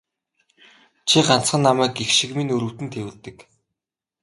Чи ганцхан намайг эх шиг минь өрөвдөн тэвэрдэг.